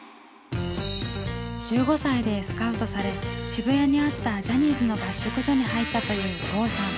１５歳でスカウトされ渋谷にあったジャニーズの合宿所に入ったという郷さん。